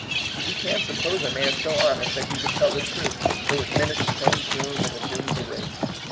We can suppose a man so honest that he would tell the truth, though it menaced his own doom and the doom of the race.